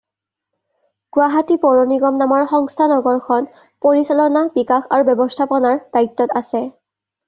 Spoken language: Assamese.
গুৱাহাটী পৌৰনিগম নামৰ সংস্থা নগৰখন পৰিচালনা, বিকাশ আৰু ব্যৱস্থাপনাৰ দায়িত্বত আছে।